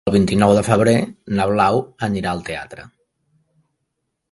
El vint-i-nou de febrer na Blau anirà al teatre.